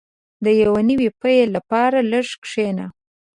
• د یو نوي پیل لپاره لږ کښېنه.